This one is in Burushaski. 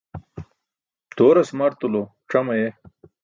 Dooras martulo cam aye.